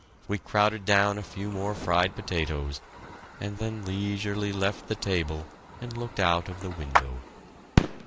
We crowded down a few more fried potatoes, and then leisurely left the table and looked out of the window.